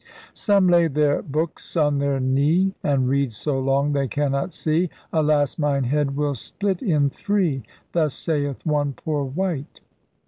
Some lay their bookys on their knee. And read so long they cannot see. *Alas! mine head will split in three!' Thus sayeth one poor wight.